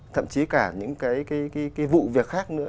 thậm chí cả những cái vụ việc khác nữa